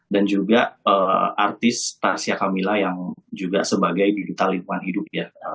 dan juga artis tasya kamila yang juga sebagai digital lingkungan hidup ya